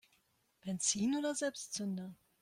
Benzin oder Selbstzünder?